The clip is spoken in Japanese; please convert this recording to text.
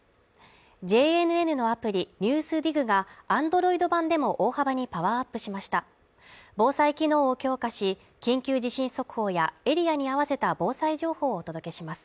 ＪＮＮのアプリ「ＮＥＷＳＤＩＧ」がＡｎｄｒｏｉｄ版でも大幅にパワーアップしました防災機能を強化し緊急地震速報やエリアに合わせた防災情報をお届けします